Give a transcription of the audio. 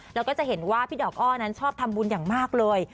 แล้วก็จะเห็นว่าพี่ดอกอ้อนั้นชอบทำบุญอย่างมากเลย